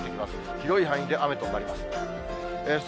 広い範囲で雨となります。